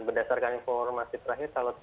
berdasarkan informasi terakhir